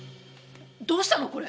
どうしたの？